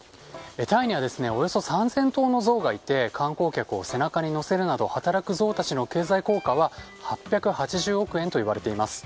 タイにはおよそ３０００頭のゾウがいて観光客を背中に乗せるなどして働くゾウたちの経済効果は８８０億円といわれています。